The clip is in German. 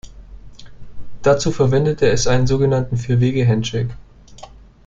Dazu verwendet es einen sogenannten Vier-Wege-Handshake.